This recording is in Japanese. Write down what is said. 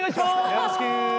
よろしく。